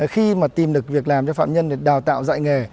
khi mà tìm được việc làm cho phạm nhân để đào tạo dạy nghề